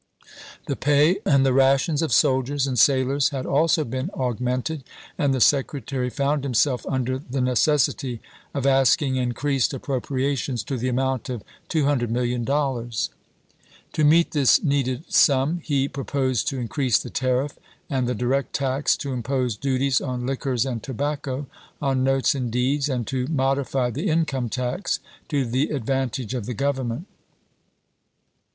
The pay and the rations of soldiers and sailors had also been augmented, and the Secre tary found himself under the necessity of asking increased appropriations to the amount of $200, 000,000. To meet this needed sum he proposed to increase the tariff and the direct tax, to impose duties on liquors and tobacco, on notes and deeds, and to modify the income tax to the advantage of the Government.